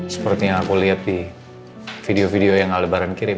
seperti yang aku lihat di video video yang albaran kirim